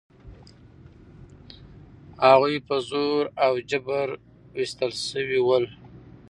هغوی په زور او جبر ویستل شوي ول.